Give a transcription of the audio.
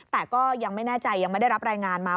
แต่ก็ยังไม่แน่ใจยังไม่ได้รับรายงานมา